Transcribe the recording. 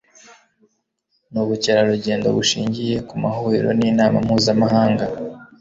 n'ubukerarugendo bushingiye ku mahuriro n'inama mpuzamahanga